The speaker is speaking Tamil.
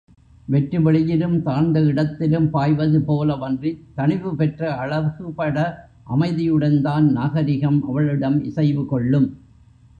வெற்று வெளியிலும், தாழ்ந்த இடத்திலும் பாய்வது போலவன்றித் தணிவு பெற்ற, அழகுபட, அமைதியுடன்தான் நாகரிகம் அவளிடம் இசைவு கொள்ளும்.